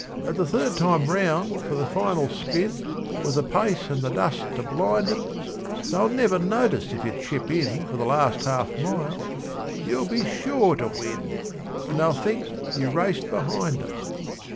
'At the third time round, for the final spin With the pace, and the dust to blind 'em, They'll never notice if you chip in For the last half mile you'll be sure to win, And they'll think you raced behind 'em.